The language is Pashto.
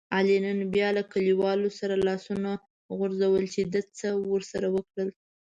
علي نن بیا له کلیوالو سره لاسونه غورځول چې ده څه ورسره وکړل.